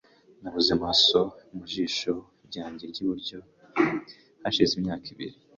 Nabuze amaso mu jisho ryanjye ryiburyo hashize imyaka ibiri .